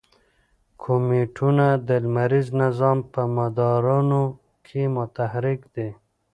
کومیټونه د لمریز نظام په مدارونو کې متحرک دي.